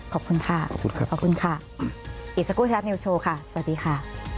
ขอบคุณค่ะอีสักครู่ทีครับนิวโชว์ค่ะสวัสดีค่ะ